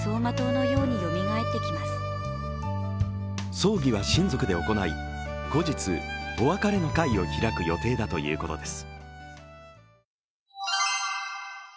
葬儀は親族で行い後日お別れの会を開く予定だということです。